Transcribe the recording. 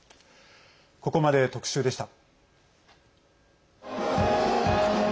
ここまで特集でした。